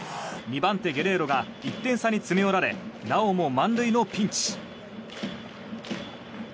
２番手ゲレーロが１点差に詰め寄られなおも満塁のピンチ。